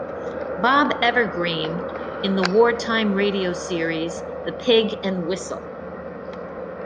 Bob Evergreen in the wartime radio series "The Pig and Whistle".